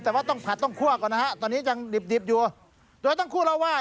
แต่ว่าต้องผัดต้องคั่วก่อนนะฮะตอนนี้ยังดิบดิบอยู่โดยทั้งคู่เล่าว่า